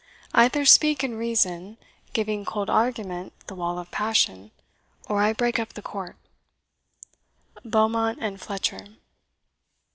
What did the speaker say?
Either speak in reason, Giving cold argument the wall of passion, Or I break up the court. BEAUMONT AND FLETCHER.